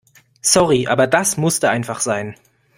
Sorry, aber das musste einfach sein.